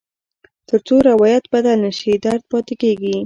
تر څو روایت بدل نه شي، درد پاتې کېږي.